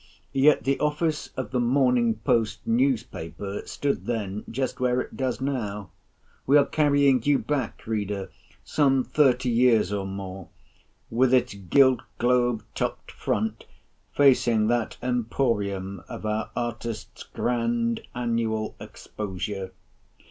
Yet the office of the Morning Post newspaper stood then just where it does now—we are carrying you back, Reader, some thirty years or more—with its gilt globe topt front facing that emporium of our artists' grand Annual Exposure.